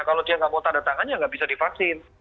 kalau dia nggak mau tanda tangannya nggak bisa divaksin